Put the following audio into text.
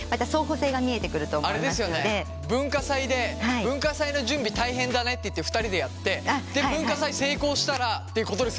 文化祭で文化祭の準備大変だねって言って２人でやって文化祭成功したらっていうことですよね？